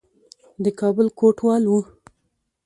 د کابل کوټوال وو.